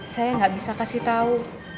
saya gak bisa kasih tau